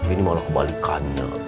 ini malah kebalikannya